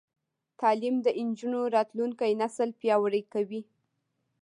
تعلیم د نجونو راتلونکی نسل پیاوړی کوي.